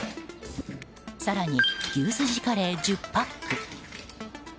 更に、牛すじカレー１０パック。